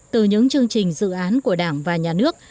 từ những chương trình dự án của đảng và nhà nước